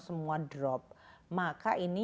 semua drop maka ini